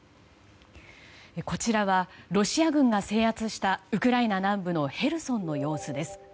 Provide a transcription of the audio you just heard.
こちらはロシア軍が制圧したウクライナ南部のヘルソンの様子です。